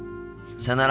さよなら。